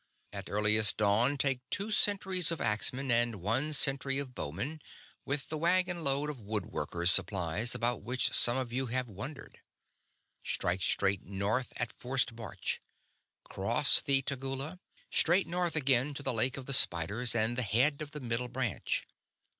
"At earliest dawn take two centuries of axemen and one century of bowmen, with the wagonload of wood workers' supplies about which some of you have wondered. Strike straight north at forced march. Cross the Tegula. Straight north again, to the Lake of the Spiders and the head of the Middle Branch.